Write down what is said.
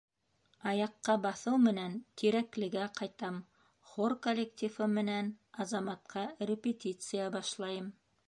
«Аяҡҡа баҫыу менән Тирәклегә ҡайтам, хор коллективы менән «Азамат»ҡа репетиция башлайым.